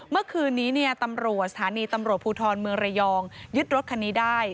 เมื่อคืนนี้ตำรวจสถานีตำรวจภูทรเมืองระยองยึดรถคันนี้ได้